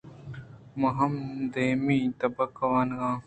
من ھم دھمی تبک ءَ وانگ ءَ آں۔